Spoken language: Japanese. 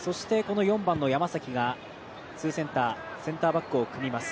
４番の山崎がツーセンターセンターバックを組みます